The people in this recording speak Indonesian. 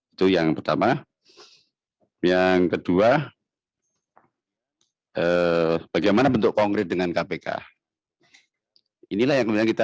itu yang pertama yang kedua eh bagaimana bentuk kongres dengan kpk inilah yang kita